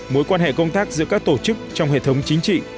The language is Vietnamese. mối quan hệ công tác giữa các tổ chức trong hệ thống chính trị